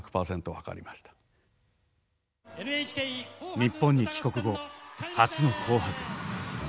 日本に帰国後初の「紅白」。